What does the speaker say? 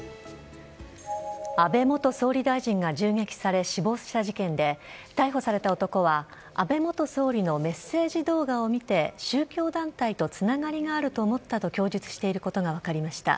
安倍元総理大臣が銃撃され死亡した事件で逮捕された男は安倍元総理のメッセージ動画を見て宗教団体とつながりがあると思ったと供述していることが分かりました。